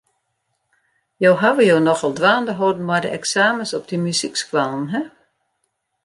Jo hawwe jo nochal dwaande holden mei de eksamens op dy muzykskoallen, hin.